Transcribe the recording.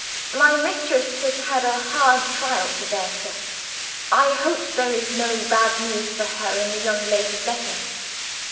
"My mistress has had a hard trial to bear, sir. I hope there is no bad news for her in the young lady's letter?"